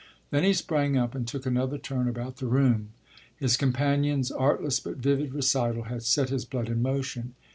Then he sprang up and took another turn about the room. His companion's artless but vivid recital had set his blood in motion.